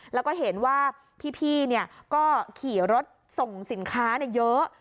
แล้วก็เห็นว่าพี่ก็ขี่รถส่งสินค้าเยอะ